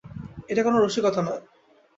এটি কোনো রসিকতা নয়!